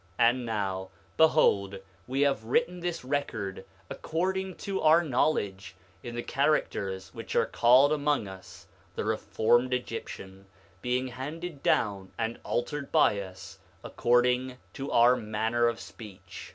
9:32 And now, behold, we have written this record according to our knowledge, in the characters which are called among us the reformed Egyptian, being handed down and altered by us, according to our manner of speech.